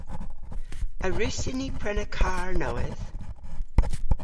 A wrussyn ni prena karr nowydh?